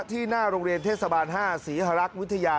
หน้าโรงเรียนเทศบาล๕ศรีฮรักษ์วิทยา